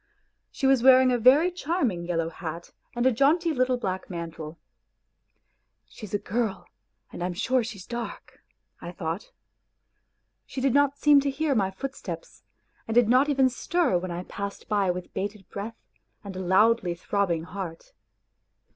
She was wearing a very charming yellow hat and a jaunty little black mantle. " She's a girl, and I am sure she is dark," 1 thought. She did not seem to hear my footsteps, and did not even stir when I passed by with bated breath and loudly throbbing heart.